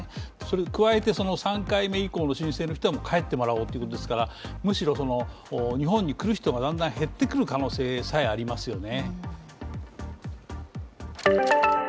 加えて、３回目以降の申請の人は、帰ってもらおうというわけですからむしろ日本に来る人がだんだん減ってくる可能性さえありますよね。